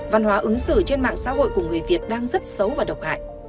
văn hóa ứng xử trên mạng xã hội của người việt đang rất xấu và độc hại